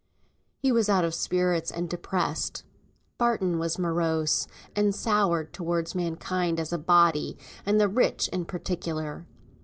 He was out of spirits and depressed. Barton was morose, and soured towards mankind as a body, and the rich in particular.